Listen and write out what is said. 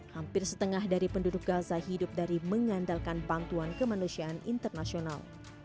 hampir setengah dari penduduk gaza hidup dari mengandalkan bantuan kemanusiaan internasional